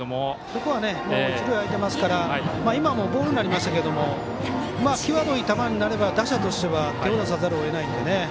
ここは一塁空いてますから今のもボールになりましたけど際どい球になれば、打者としては手を出さざるをえないので。